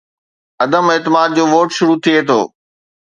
عدم اعتماد جو ووٽ شروع ٿئي ٿو